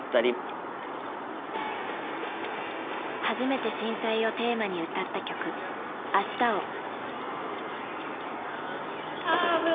初めて震災をテーマに歌った曲「明日を」。